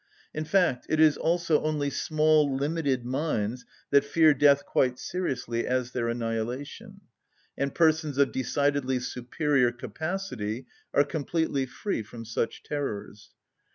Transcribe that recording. In fact, it is also only small, limited minds that fear death quite seriously as their annihilation, and persons of decidedly superior capacity are completely free from such terrors.